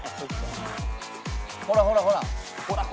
ほらほらほら。